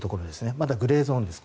まだグレーゾーンです。